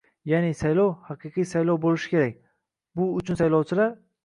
yaʼni saylov – haqiqiy saylov bo‘lishi kerak, bu uchun saylovchilar...